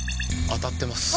当たってます